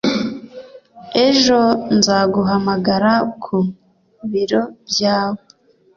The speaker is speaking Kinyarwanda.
Ejo nzaguhamagara ku biro byawe.